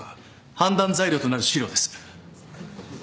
判断材料となる資料です。